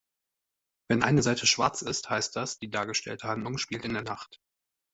Wenn eine Seite schwarz ist, heißt das, die dargestellte Handlung spielt in der Nacht.